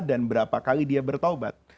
dan berapa kali dia bertaubat